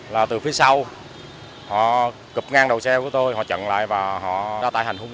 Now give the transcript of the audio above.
là từ phía sau họ cập ngang đầu xe của tôi họ trận lại và họ ra tại hành khung